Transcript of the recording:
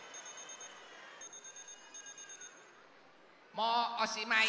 もうおしまい。